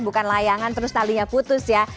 bukan layangan terus talinya putus ya